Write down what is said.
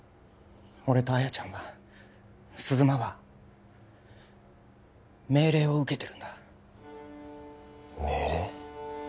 俺と亜矢ちゃんは鈴間は命令を受けてるんだ命令？